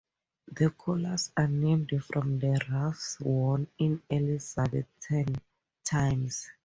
The collars are named from the ruffs worn in Elizabethan times.